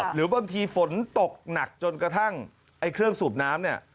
หรือบางทีฝนตกหนักจนกระทั่งไอ้เครื่องสูบน้ำเนี่ย